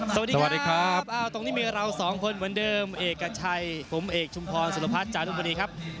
สวัสดีครับตรงนี้มีเราสองคนเหมือนเดิมเอกชัยผมเอกชุมพรสุรพัฒน์จารุมณีครับ